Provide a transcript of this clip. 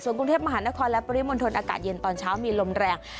กรุงเทพมหานครและปริมณฑลอากาศเย็นตอนเช้ามีลมแรง